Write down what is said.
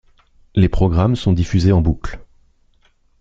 Les programmes sont diffusés en boucle.